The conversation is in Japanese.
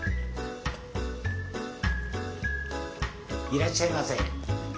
いらっしゃいませ。